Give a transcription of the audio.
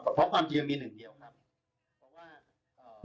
เพราะความจริงมีหนึ่งเดียวครับ